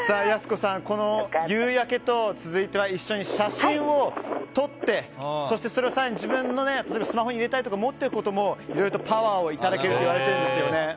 泰湖さんこの夕焼けと続いては写真を撮ってそしてそれを更に自分のスマホに入れたりとか持っておくこともいろいろとパワーをいただけるといわれているんですよね。